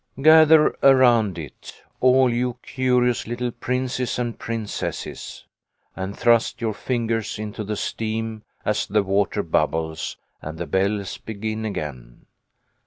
Gather around it, all you curious little princes and princesses, and thrust your fingers into the steam as the water bubbles and the bells begin again.